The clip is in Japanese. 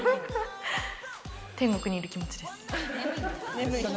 天国にいる気持ちです。